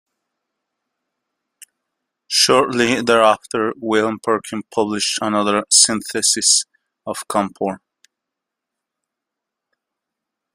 Shortly thereafter, William Perkin published another synthesis of camphor.